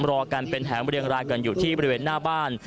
รอกันเป็นแถมเรียงรายกันอยู่ที่บริเวณหน้าบ้าน